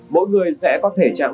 mỗi người sẽ có thể trạng